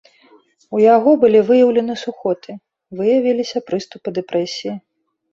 У яго былі выяўлены сухоты, выявіліся прыступы дэпрэсіі.